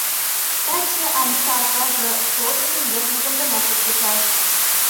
Таче Анита акаже шольыжын йодмыжым гына шуктышаш.